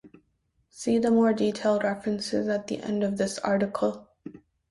See the more detailed references at the end of this article.